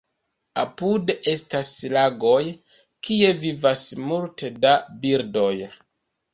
Apude estas lagoj, kie vivas multe da birdoj.